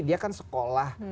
dia kan sekolah